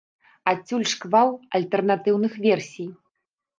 Адсюль шквал альтэрнатыўных версій.